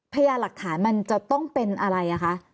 เพื่อหลักฐานมันจะต้องเป็นอะไรอ่ะคะ